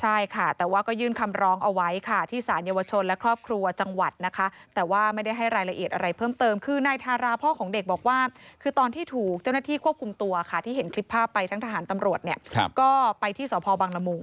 ใช่ค่ะแต่ว่าก็ยื่นคำร้องเอาไว้ค่ะที่สารเยาวชนและครอบครัวจังหวัดนะคะแต่ว่าไม่ได้ให้รายละเอียดอะไรเพิ่มเติมคือนายทาราพ่อของเด็กบอกว่าคือตอนที่ถูกเจ้าหน้าที่ควบคุมตัวค่ะที่เห็นคลิปภาพไปทั้งทหารตำรวจเนี่ยก็ไปที่สพบังละมุง